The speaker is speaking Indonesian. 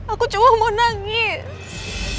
aku cuma mau nangis